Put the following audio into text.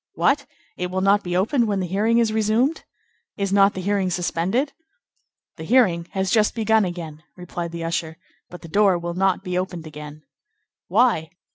"What! It will not be opened when the hearing is resumed? Is not the hearing suspended?" "The hearing has just been begun again," replied the usher, "but the door will not be opened again." "Why?"